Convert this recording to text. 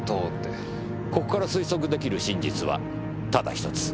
ここから推測できる真実はただ１つ。